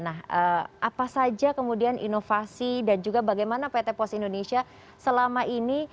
nah apa saja kemudian inovasi dan juga bagaimana pt pos indonesia selama ini